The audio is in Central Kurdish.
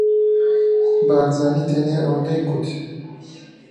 بارزانی تەنیا ئەوەندەی گوت: